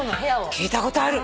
聞いたことある！